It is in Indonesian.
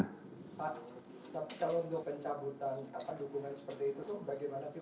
pak kalau untuk pencabutan apa dukungan seperti itu tuh bagaimana sih pak prosesnya